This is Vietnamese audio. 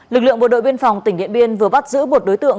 lực lượng bộ đội biên phòng tỉnh điện biên vừa bắt giữ một đối tượng